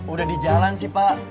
udah di jalan sih pak